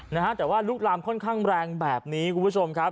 นะฮะแต่ว่าลุกลามค่อนข้างแรงแบบนี้คุณผู้ชมครับ